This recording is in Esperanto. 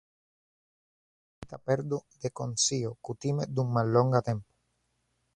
Ĝi estas la subita perdo de konscio, kutime dum mallonga tempo.